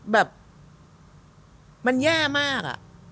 แบบมันแย่มากอะ